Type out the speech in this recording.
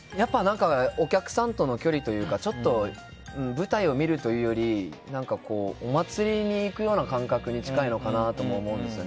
お客さんとの距離というか舞台を見るというよりお祭りに行くような感覚に近いのかなとも思うんですよね。